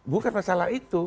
bukan masalah itu